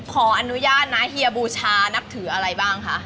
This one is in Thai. ขออนุญาตนะเฮียบูชานับถืออะไรบ้างคะ